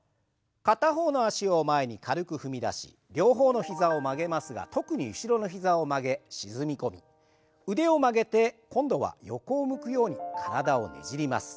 片方の脚を前に軽く踏み出し両方の膝を曲げますが特に後ろの膝を曲げ沈み込み腕を曲げて今度は横を向くように体をねじります。